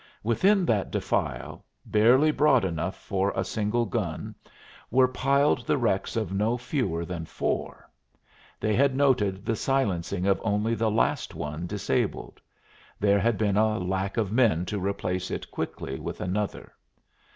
Within that defile, barely broad enough for a single gun, were piled the wrecks of no fewer than four. They had noted the silencing of only the last one disabled there had been a lack of men to replace it quickly with another.